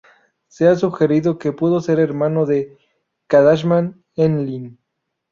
Se ha sugerido que pudo ser hermano de Kadašman-Enlil.